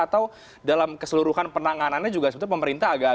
atau dalam keseluruhan penanganannya juga sebenarnya pemerintah akan mengatakan